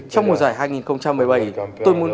trong mùa giải hai nghìn một mươi bảy tôi muốn